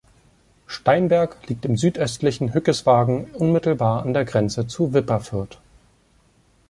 Steinberg liegt im südöstlichen Hückeswagen unmittelbar an der Grenze zu Wipperfürth.